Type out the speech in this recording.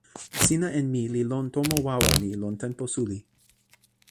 sina en mi li lon tomo wawa ni lon tenpo suli.